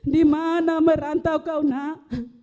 dimana merantau kau nak